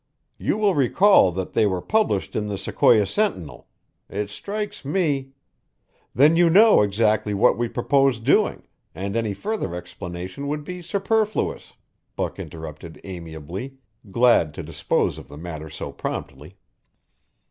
"You will recall that they were published in the Sequoia SENTINEL. It strikes me " "Then you know exactly what we purpose doing, and any further explanation would be superfluous," Buck interrupted amiably, glad to dispose of the matter so promptly.